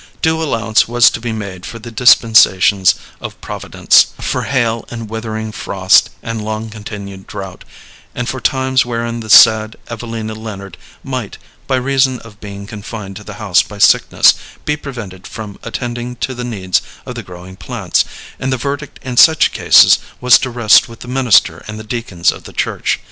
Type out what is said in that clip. Due allowance was to be made for the dispensations of Providence: for hail and withering frost and long continued drought, and for times wherein the said Evelina Leonard might, by reason of being confined to the house by sickness, be prevented from attending to the needs of the growing plants, and the verdict in such cases was to rest with the minister and the deacons of the church.